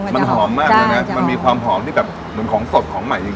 มันหอมมากเลยนะมันมีความหอมที่แบบเหมือนของสดของใหม่จริง